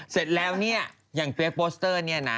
เสร็จแล้วเนี่ยอย่างเฟสโปสเตอร์เนี่ยนะ